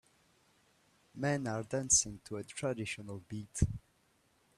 Men are dancing to a traditional beat.